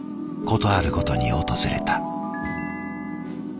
事あるごとに訪れた。